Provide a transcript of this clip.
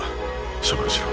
処分しろ。